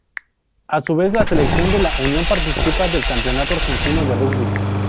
A su vez la selección de la unión participa del Campeonato Argentino de Rugby.